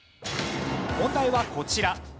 問題はこちら。